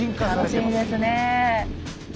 楽しみですね。